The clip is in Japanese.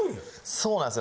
そうなんです。